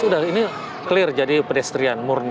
iya udah ini clear jadi pedestrian murni